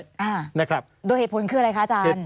ด้วยเหตุผลคืออะไรคะอาจารย์